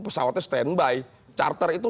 pesawatnya standby charter itu